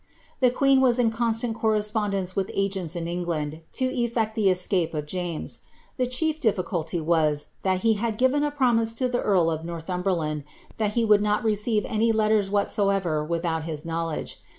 The queen was in constant correspondence with agents in England, to eflect the escape of James. The chief difficulty was, that he had fiven a promise to the earl of Northumberland, that he would not re ceive any letters whatsoever without his knowledge.